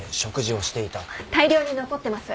大量に残ってます。